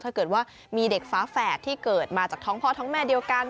ถ้าเกิดว่ามีเด็กฟ้าแฝดที่เกิดมาจากท้องพ่อท้องแม่เดียวกัน